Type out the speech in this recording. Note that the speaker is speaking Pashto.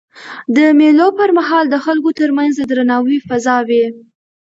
د مېلو پر مهال د خلکو ترمنځ د درناوي فضا يي.